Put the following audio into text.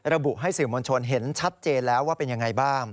ระบุให้สื่อมวลชนเห็นชัดเจนแล้วว่าเป็นยังไงบ้าง